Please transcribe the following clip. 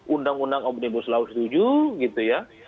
undang undang omnibus law setuju